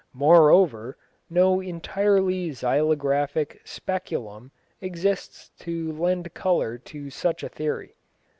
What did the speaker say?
Moreover, no entirely xylographic Speculum exists to lend colour to such a theory.